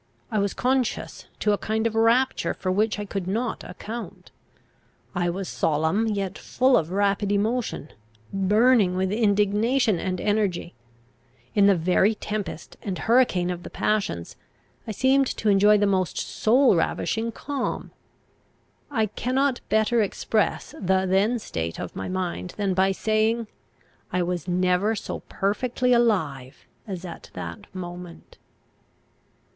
I was conscious to a kind of rapture for which I could not account. I was solemn, yet full of rapid emotion, burning with indignation and energy. In the very tempest and hurricane of the passions, I seemed to enjoy the most soul ravishing calm. I cannot better express the then state of my mind than by saying, I was never so perfectly alive as at that moment.